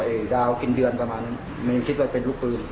ดาวกินเดือนประมาณนั้นไม่คิดว่าเป็นลูกปืน